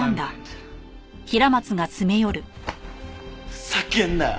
ふざけんなよ！